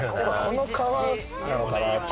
この川なのかな？